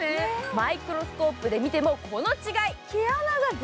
マイクロスコープで見ても、この違い。